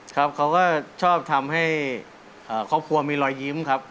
ครับเขาก็ชอบทำให้ครอบครัวมีรอยยิ้มครับ